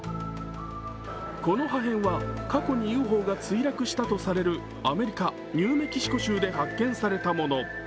この破片は過去にＵＦＯが墜落したとされるアメリカ・ニューメキシコ州で発見されたもの。